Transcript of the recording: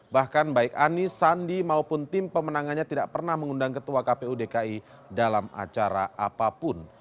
bahkan baik anies sandi maupun tim pemenangannya tidak pernah mengundang ketua kpu dki dalam acara apapun